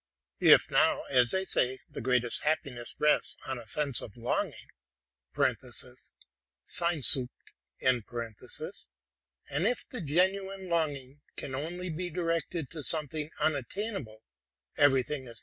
If, as they say, the greatest happiness rests on a sense of longing (sehnsucht), and if the genuine longing can only be directed to something unattainable, every thing had.